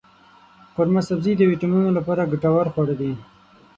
قورمه سبزي د ویټامینونو لپاره ګټور خواړه دی.